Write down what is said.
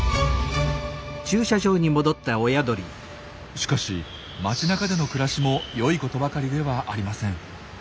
しかし街なかでの暮らしも良いことばかりではありません。